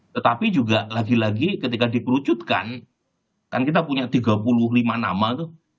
tetapi juga lagi lagi ketika dikerucutkan kan kita punya tiga puluh lima nama itu